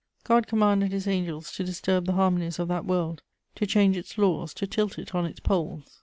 God commanded his angels to disturb the harmonies of that world, to change its laws, to tilt it on its poles.